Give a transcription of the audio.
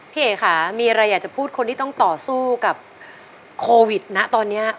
เอ๋ค่ะมีอะไรอยากจะพูดคนที่ต้องต่อสู้กับโควิดนะตอนนี้